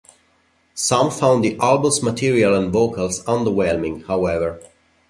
Some found the album's material and vocals underwhelming, however.